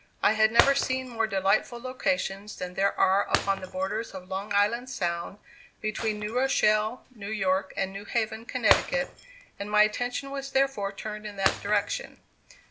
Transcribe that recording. I had never seen more delightful locations than there are upon the borders of Long Island Sound, between New Rochelle, New York, and New Haven, Connecticut; and my attention was therefore turned in that direction.